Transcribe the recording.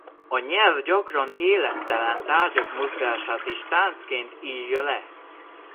A nyelv gyakran élettelen tárgyak mozgását is táncként írja le.